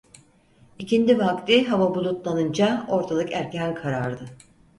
İkindi vakti hava bulutlanınca ortalık erken karardı.